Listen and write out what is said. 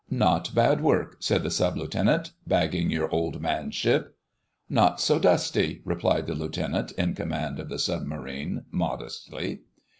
"Not bad work," said the Sub Lieutenant, "bagging your Old Man's ship." "Not so dusty," replied the Lieutenant in command of the Submarine, modestly.